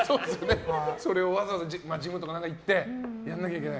それをわざわざジムとか行ってやらなきゃいけない。